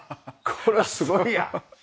これはすごいや！